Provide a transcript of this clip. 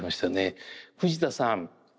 藤田さん。